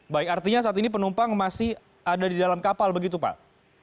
baik artinya saat ini penumpang masih ada di dalam kapal begitu pak